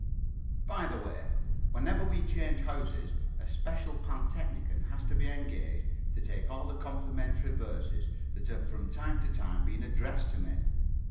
By the way, whenever we change houses a special pantechnicon has to be engaged to take all the complimentary verses that have from time to time been addressed to me.